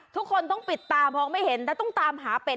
ทุกคนต้องปิดตามองไม่เห็นและต้องตามหาเป็น